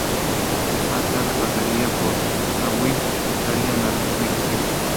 Más tarde, pasaría por Kuwait, Italia y la República Checa.